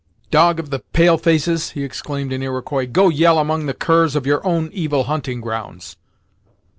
"Dog of the pale faces!" he exclaimed in Iroquois, "go yell among the curs of your own evil hunting grounds!"